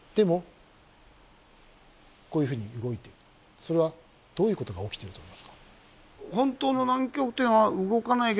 それはどういうことが起きてると思いますか？